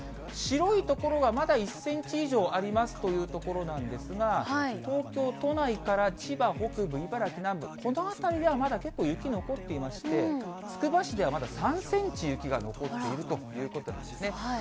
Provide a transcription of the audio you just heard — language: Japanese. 白い所は、まだ１センチ以上ありますという所なんですが、東京都内から千葉北部、茨城南部、この辺りではまだちょっと雪残っていまして、つくば市ではまだ３センチ雪が残っているということなんですね。